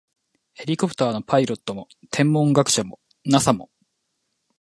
ヘリコプターのパイロットも、天文学者も、ＮＡＳＡ も、